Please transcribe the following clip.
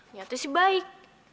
nyatanya sih baik